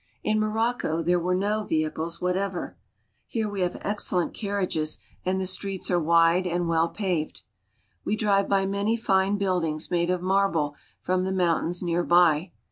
In Morocco there were no vehicles whatever. Here we have excellent carriages, and the streets are wide and well paved. We drive by many fine buildings made of marble from the mountains near by.